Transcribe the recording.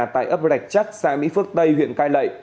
tại ấp rạch chắc xã mỹ phước tây huyện cai lệ